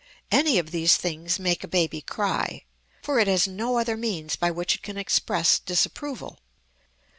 Any of these things make a baby cry, for it has no other means by which it can express disapproval.